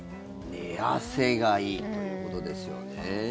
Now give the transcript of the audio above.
寝汗がいいということですよね。